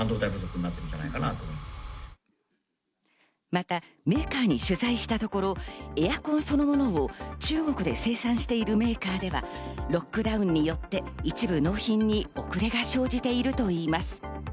また、メーカーに取材したところ、エアコンそのものを中国で生産しているメーカーではロックダウンによって、一部納品に遅れが生じているといいます。